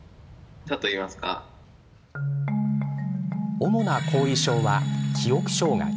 主な後遺症は記憶障害。